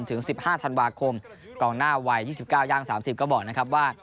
ถึง๑๕ธันวาคมกองหน้าวัย๒๙ย่าง๓๐ก็บอกนะครับว่า